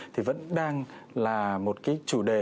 thì vẫn đang là một chủ đề